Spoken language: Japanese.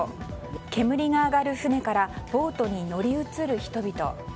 煙が上がる船からボートに乗り移る人々。